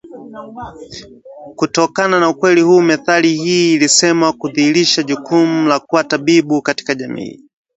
Kutokana na ukweli huu methali hii ilisemwa kudhihirisha jukumu la kuwa tabibu katika jamii